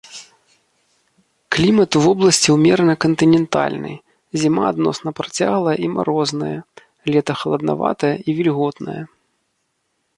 Клімат у вобласці ўмерана кантынентальны, зіма адносна працяглая і марозная, лета халаднаватае і вільготнае.